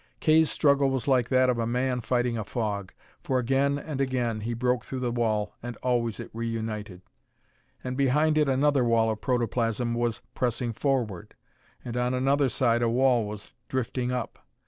Kay's struggle was like that of a man fighting a fog, for again and again he broke through the wall, and always it reunited. And behind it another wall of protoplasm was pressing forward, and on another side a wall was drifting up.